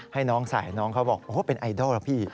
ให้น้องใส่น้องเขาบอกโอ้โหเป็นไอดอลแล้วพี่